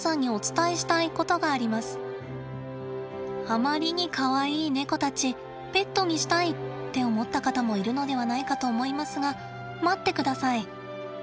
あまりにかわいいネコたち「ペットにしたい！」って思った方もいるのではないかと思いますが待ってください。